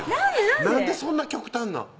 なんでそんな極端なん？